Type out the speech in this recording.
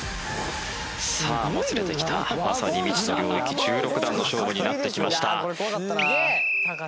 「さあもつれてきたまさに未知の領域１６段の勝負になってきました」